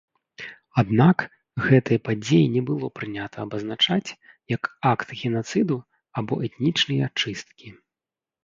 Аднак, гэтыя падзеі не было прынята абазначаць як акт генацыду або этнічныя чысткі.